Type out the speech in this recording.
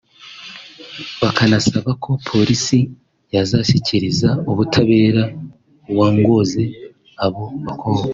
bakanasaba ko Polisi yazashyikiriza ubutabera uwagonze abo bakobwa